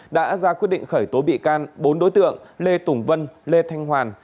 đã ra quyết định khởi tố bị can bốn đối tượng lê tùng vân lê thanh hoàn